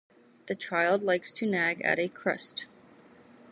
The child likes to nag at a crust.